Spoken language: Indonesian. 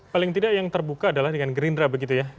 paling tidak yang terbuka adalah dengan gerindra begitu ya